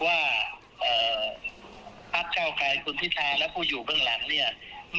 ไม่สมควรที่จะเป็นรัฐบาล